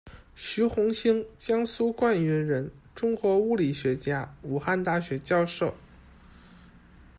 徐红星，江苏灌云人，中国物理学家，武汉大学教授。